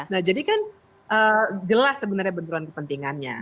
nah jadikan jelas sebenarnya benturan kepentingannya